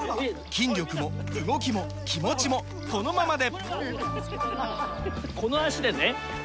筋力も動きも気持ちもこのままで！